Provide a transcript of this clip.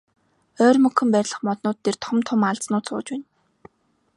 Ойрмогхон байрлах моднууд дээр том том аалзнууд сууж байна.